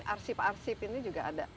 arsip arsip ini juga ada